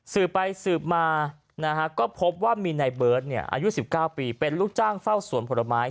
สืบไปสืบมาก็พบว่ามีในเบิร์ตอายุ๑๙ปีเป็นลูกจ้างเฝ้าสวนผลไม้